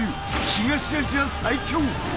東アジア最強。